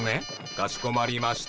かしこまりました。